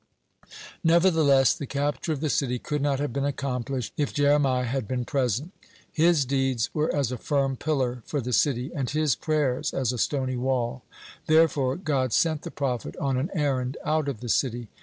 (27) Nevertheless, the capture of the city could not have been accomplished if Jeremiah had been present. His deeds were as a firm pillar for the city, and his prayers as a stony wall. Therefore God sent the prophet (28) on an errand out of the city.